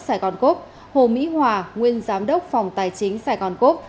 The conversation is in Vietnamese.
sài gòn cốp hồ mỹ hòa nguyên giám đốc phòng tài chính sài gòn cốc